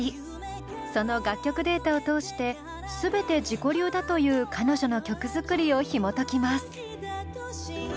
その楽曲データを通して全て自己流だという彼女の曲作りをひもときます。